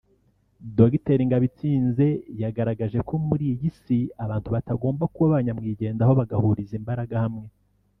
Dr Ngabitsinze yagaragaje ko muri iyi Isi abantu batagomba kuba ba nyamwigendaho bagahuriza imbaraga hamwe